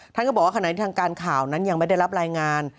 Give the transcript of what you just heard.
ท่านก็บอกว่าขณะที่ทางการข่าวนั้นยังไม่ได้รับรายงาน